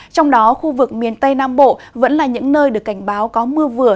trong đó khu vực miền tây nam bộ vẫn là những nơi được cảnh báo có mưa vừa